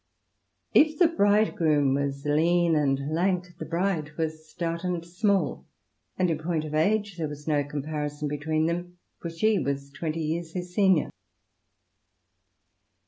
If the bridegroom was lean and lank, the bride was stout and small, and in point of age there was no comparison between them, for she was twenty years his senior.